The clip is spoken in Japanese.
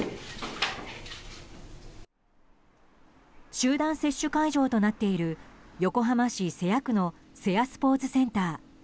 集団接種会場となっている横浜市瀬谷区の瀬谷スポーツセンター。